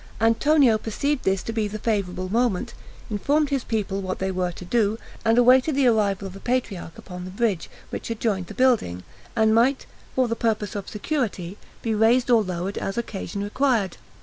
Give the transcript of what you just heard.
Antonio perceived this to be the favorable moment, informed his people what they were to do, and awaited the arrival of the patriarch upon the bridge, which adjoined the building, and might for the purpose of security be raised or lowered as occasion required.